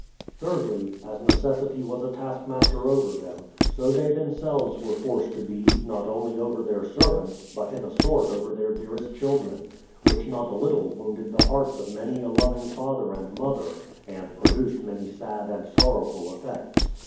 Thirdly, as necessity was a task master over them, so they themselves were forced to be, not only over their ser vants, but in a sort over their dearest children ; which not a little wounded the hearts of many a loving father and mother, and produced many sad and sorrowful effects.